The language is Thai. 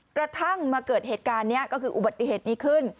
กระทั่งมาเกิดเหตุการณ์นี้ก็คืออุบัติเหตุนี้ขึ้น